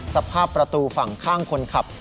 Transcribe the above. สภาพประตูฝั่งข้างคนขับ